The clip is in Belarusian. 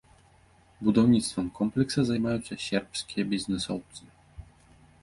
Будаўніцтвам комплекса займаюцца сербскія бізнэсоўцы.